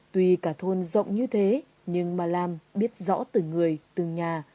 tuy cả thôn rộng như thế nhưng ma lam biết rõ từ người từ nhà